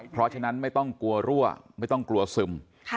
เพราะฉะนั้นไม่ต้องกลัวรั่วไม่ต้องกลัวซึม